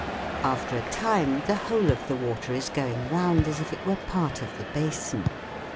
After a time the whole of the water is going round as if it were part of the basin.